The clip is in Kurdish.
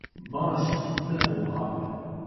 Baş e, bila wiha be.